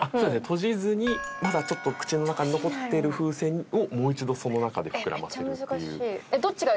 閉じずにまだちょっと口の中に残ってる風船をもう一度その中で膨らませるっていう。